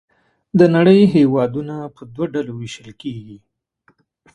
د نړۍ هېوادونه په دوه ډلو ویشل کیږي.